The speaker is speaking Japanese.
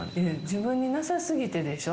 自分になさ過ぎてでしょ